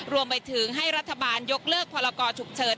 รวมไปถึงให้รัฐบาลยกเลิกพรกรฉุกเฉิน